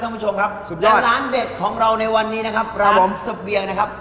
ท่านผู้ชมครับและร้านเด็ดของเราในวันนี้นะครับครับผมร้านสเปียงนะครับ